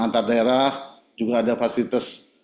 antar daerah juga ada fasilitas